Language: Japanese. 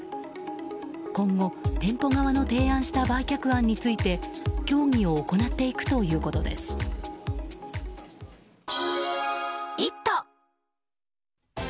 今後、店舗側の提案した売却案について協議を行っていくということです。